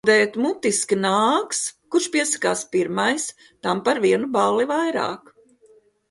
Atbildēt mutiski nāks... Kurš piesakās pirmais, tam par vienu balli vairāk.